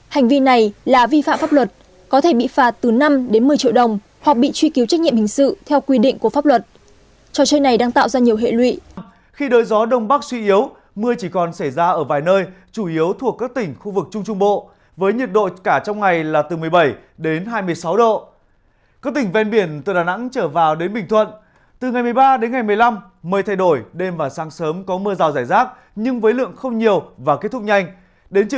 hành vi này là vi phạm pháp luật có thể bị phạt từ năm đến một mươi triệu đồng hoặc bị truy cứu trách nhiệm hình sự theo quy định